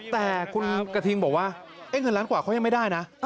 แต่คุณกระทิงบอกว่าเงินล้านกว่าเขายังไม่ได้นะ